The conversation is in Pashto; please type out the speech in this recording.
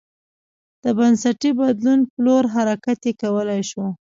د بنسټي بدلون په لور حرکت یې کولای شو